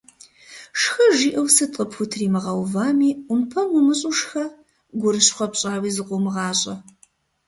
Шхэ жиӏэу сыт къыпхутримыгъэувами – ӏумпэм умыщӏу, шхэ, гурыщхъуэ пщӏауи зыкъыумыгъащӏэ.